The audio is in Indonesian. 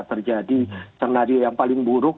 terjadi skenario yang paling buruk